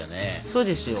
そうですよ。